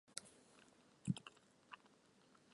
五年设置泰州路都统。